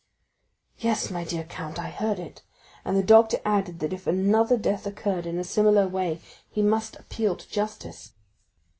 "Yes, my dear count, I heard it; and the doctor added that if another death occurred in a similar way he must appeal to justice."